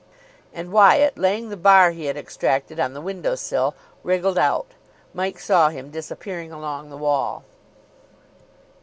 And Wyatt, laying the bar he had extracted on the window sill, wriggled out. Mike saw him disappearing along the wall.